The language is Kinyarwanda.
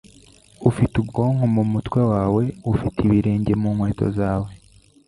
Ufite ubwonko mumutwe wawe. Ufite ibirenge mu nkweto zawe.